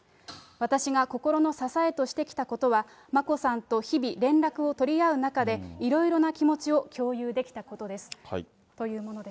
私が心の支えとしてきたことは、眞子さんと日々、連絡を取り合う中で、いろいろな気持ちを共有できたことです。